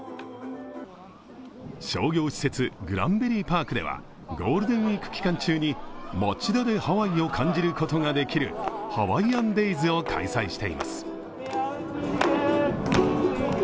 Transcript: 商業施設、グランベリーパークではゴールデンウイーク期間中に町田でハワイを感じることができるＨａｗａｉｉａｎＤａｙｓを開催しています。